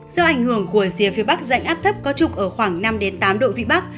do ảnh hưởng của rìa phía bắc dãnh áp thấp có trục ở khoảng năm tám độ vĩ bắc